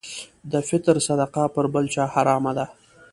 د فطر صدقه پر بل چا حرامه ده.